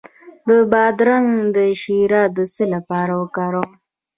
د بادرنګ شیره د څه لپاره وکاروم؟